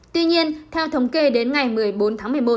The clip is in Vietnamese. tuy nhiên theo thống kê đến ngày một mươi bốn tháng một mươi một